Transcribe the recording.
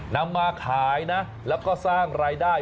นำมาขายนะแล้วก็สร้างรายได้